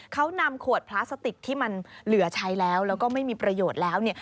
เขานำขวดพลาสติกที่มันเหลือใช้แล้วแล้วก็ไม่มีประโยชน์แล้ว